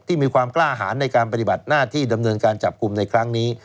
มีความกล้าหารในการปฏิบัติหน้าที่ดำเนินการจับกลุ่มในครั้งนี้